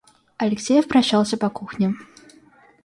Алексеев прошёлся по кухне.